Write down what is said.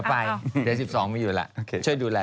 เดี๋ยวไปเดี๋ยว๑๒ไม่อยู่แล้ว